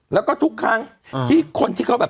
แล้วก็ทุกครั้งที่คนที่เขาแบบ